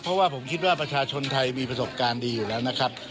เพราะว่าผมคิดว่าประชาชนไทยมีประสบการณ์ดีอยู่แล้วนะครับ